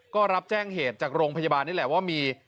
ก็รับแจ้งเหตุจากโรงพยาบาลนี่แหละว่ามี